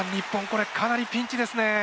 これかなりピンチですねえ。